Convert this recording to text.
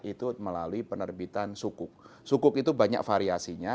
tentu saja ada beberapa bukti yang juga membutuhkan penggunaan program